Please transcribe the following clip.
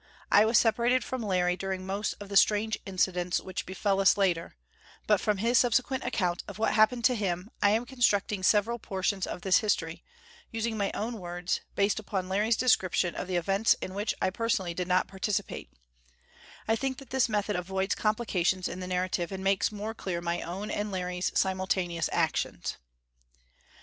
I was separated from Larry during most of the strange incidents which befell us later; but from his subsequent account of what happened to him I am constructing several portions of this history, using my own words based upon Larry's description of the events in which I personally did not participate; I think that this method avoids complications in the narrative and makes more clear my own and Larry's simultaneous actions.